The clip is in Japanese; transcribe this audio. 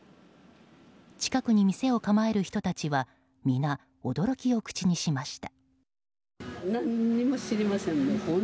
近くに店を構える人たちは皆、驚きを口にしました。